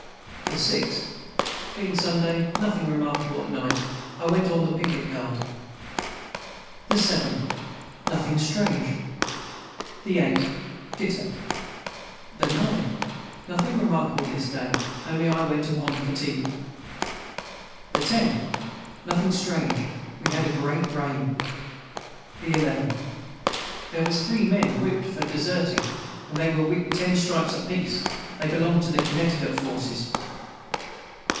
the 6. Being Sunday nothing remarkable at night I went on the piquet guard. the 7. Nothing strange. the 8. Dito. the 9. Nothing remarkable this day only I went upon fatigue. the 10. Nothing strange We had a great rain. the 11. Their was three men whipt for deserting they were whipt ten stripes apiece they belonged to the conecticut forces.